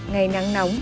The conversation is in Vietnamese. ngày nắng nóng